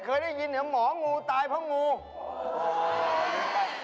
เฮ้ยทีนี้เรื่องฉันจะไม่ตายหรอก